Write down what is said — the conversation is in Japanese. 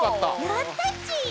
やったち。